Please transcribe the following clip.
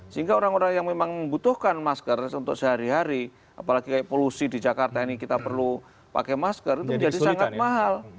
sehingga orang orang yang memang membutuhkan masker untuk sehari hari apalagi polusi di jakarta ini kita perlu pakai masker itu menjadi sangat mahal